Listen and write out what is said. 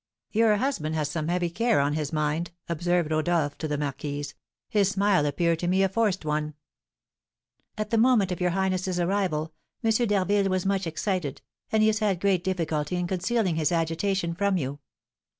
"Your husband has some heavy care on his mind," observed Rodolph to the marquise; "his smile appeared to me a forced one." "At the moment of your highness's arrival, M. d'Harville was much excited, and he has had great difficulty in concealing his agitation from you."